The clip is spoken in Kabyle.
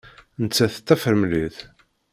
Nettat d tafremlit.